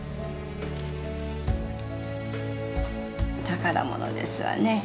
宝物ですわね。